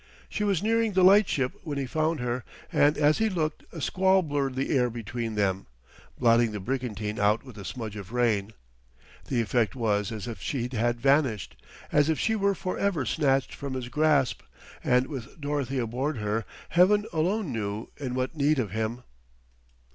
She was nearing the light ship when he found her, and as he looked a squall blurred the air between them, blotting the brigantine out with a smudge of rain. The effect was as if she had vanished, as if she were for ever snatched from his grasp; and with Dorothy aboard her Heaven alone knew in what need of him!